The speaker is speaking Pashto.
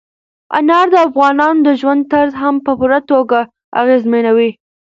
انار د افغانانو د ژوند طرز هم په پوره توګه اغېزمنوي.